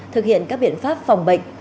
thực hiện các biện pháp phòng bệnh